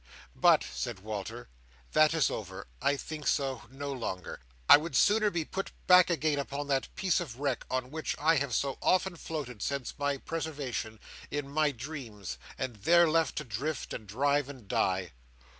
"But," said Walter, "that is over. I think so, no longer. I would sooner be put back again upon that piece of wreck, on which I have so often floated, since my preservation, in my dreams, and there left to drift, and drive, and die!"